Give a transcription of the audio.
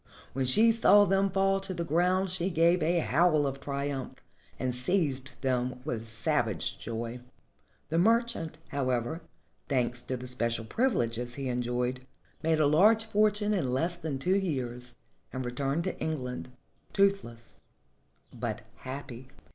When she saw them fall to the ground she gave a howl of triumph and seized them with savage joy. The merchant, however, thanks to the special privileges he enjoyed, made a large fortune in less than two years and returned to England, toothless but happy.